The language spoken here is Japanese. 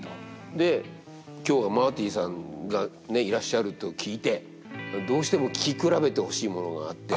で今日はマーティさんがいらっしゃると聞いてどうしても聞き比べてほしいものがあって。